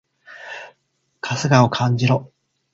春日を感じろ！